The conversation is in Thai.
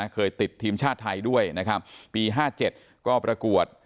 เคยติดทีมชาติไทยด้วยนะครับปี๕๗ก็ประกวด